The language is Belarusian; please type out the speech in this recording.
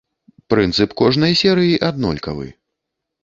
Прынцып кожнай серыі аднолькавы.